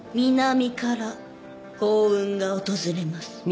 南から幸運が訪れます。